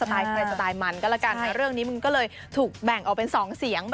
ที่สงสัยถูกแบ่งเป็นสองเสียง